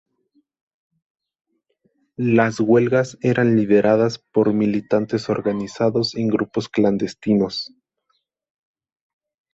Las huelgas eran lideradas por militantes organizados en grupos clandestinos.